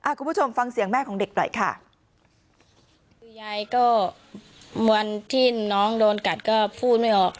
คุณผู้ชมฟังเสียงแม่ของเด็กหน่อยค่ะคือยายก็วันที่น้องโดนกัดก็พูดไม่ออก